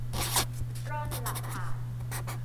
ร่อนหลักฐาน